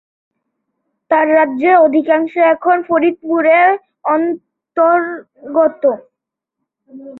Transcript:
তার রাজ্যের অধিকাংশ এখন ফরিদপুরের অন্তর্গত।